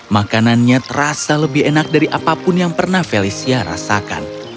makanannya terasa lebih enak dari apapun yang pernah felicia rasakan